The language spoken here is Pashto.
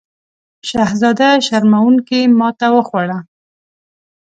شهزاده شرموونکې ماته وخوړه.